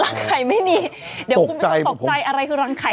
เดี๋ยวคุณไม่ต้องตกใจอะไรคือรังไข่